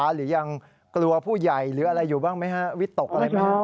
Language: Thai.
หรือยังกลัวผู้ใหญ่หรืออะไรอยู่บ้างไหมฮะวิตกอะไรไหมฮะ